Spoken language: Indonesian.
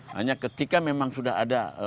hanya ketika memang sudah ada